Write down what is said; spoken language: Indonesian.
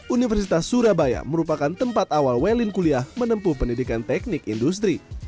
universitas surabaya merupakan tempat awal welin kuliah menempuh pendidikan teknik industri